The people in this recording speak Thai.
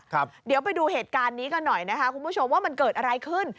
ครับเดี๋ยวไปดูเหตุการณ์นี้กันหน่อยนะคะคุณผู้ชมว่ามันเกิดอะไรขึ้น